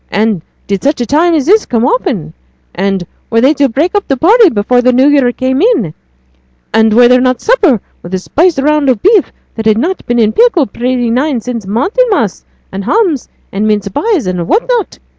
and did such a time as this come often? And were they to break up the party before the New Year came in? And was there not supper, with a spiced round of beef that had been in pickle pretty nigh sin' Martinmas, and hams, and mince pies, and what not?